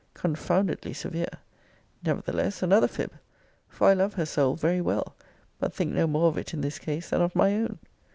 Confoundedly severe! Nevertheless, another fib! For I love her soul very well; but think no more of it in this case than of my own.